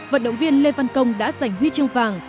vận động viên lê văn công đã giành huy chương vàng